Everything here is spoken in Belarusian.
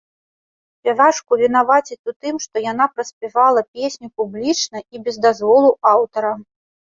Спявачку вінавацяць у тым, што яна праспявала песню публічна і без дазволу аўтара.